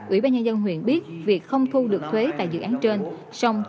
ủy ban nhân dân huyện biết việc không thu được thuế tại dự án trên